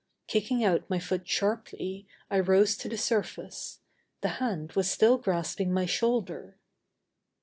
Kicking out my foot sharply, I rose to the surface. The hand was still grasping my shoulder.